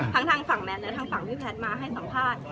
ทางฝั่งแมทและทางฝั่งพี่แพทย์มาให้สัมภาษณ์